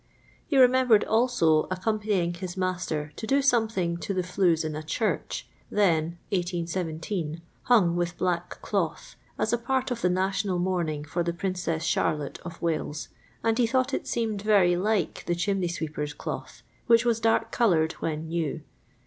He re , niembered, also, accompanying his master to do . something to the flues in a church, then (1817) ■ hwig with black cloth, as a part of the nations] ' mourning for the Princess Charlotte of Walei, ' and he thought it seemed very like the chimney sweepers' cloth, which was dark coloured wbea ' new.